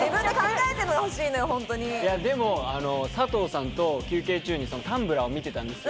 でも佐藤さんと休憩中にタンブラーを見てたんですよ。